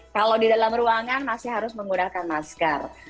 kalau di dalam ruangan masih harus menggunakan masker